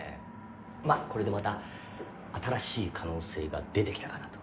まあこれでまた新しい可能性が出てきたかなと。